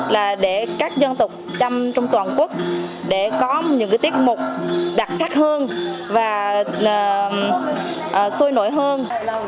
là để các dân tộc trăm trong toàn quốc để có những cái tiết mục đặc sắc hơn và sôi nổi hơn